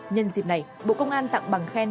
nhân dịp này bộ công an tặng bằng khen